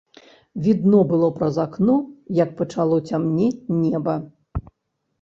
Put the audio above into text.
Відно было праз акно, як пачало цямнець неба.